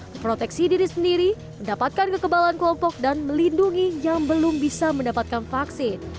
memproteksi diri sendiri mendapatkan kekebalan kelompok dan melindungi yang belum bisa mendapatkan vaksin